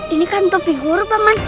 ini kan topi guru pak man